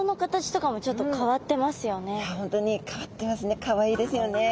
かわいいですよね。